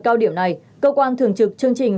cao điểm này cơ quan thường trực chương trình